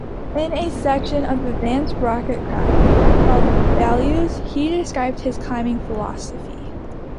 In a section of "Advanced Rockcraft" called "Values", he described his climbing philosophy.